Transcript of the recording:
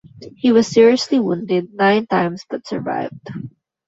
He was seriously wounded nine times but survived.